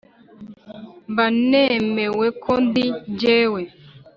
mba nemewe ko ndi jyewe